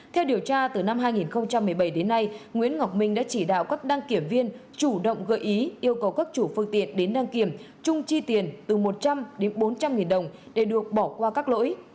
theo điều tra từ năm hai nghìn một mươi bảy đến nay nguyễn ngọc minh đã chỉ đạo các đăng kiểm viên chủ động gợi ý yêu cầu các chủ phương tiện đến đăng kiểm chung chi tiền từ một trăm linh đến bốn trăm linh nghìn đồng để được bỏ qua các lỗi